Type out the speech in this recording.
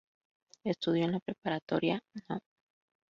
Estudió en la preparatoria No.